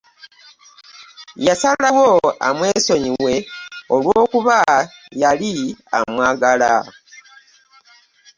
Yasalawo amwesonyiwe olwokuba yali amwagala .